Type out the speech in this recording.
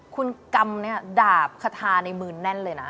คุณกำดาบคาทาในมือแน่นเลยนะ